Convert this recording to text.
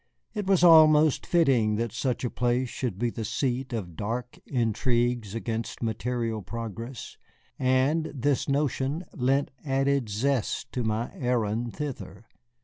It was most fitting that such a place should be the seat of dark intrigues against material progress, and this notion lent added zest to my errand thither.